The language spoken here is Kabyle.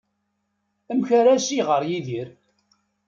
Amek ara as-iɣer Yidir?